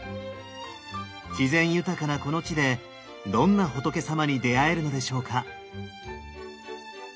自然豊かなこの地でどんな仏さまに出会えるのでしょうか。